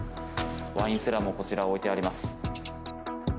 ワインセラーもこちら、置いてあります。